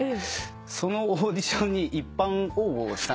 そのオーディションに一般応募したんですね。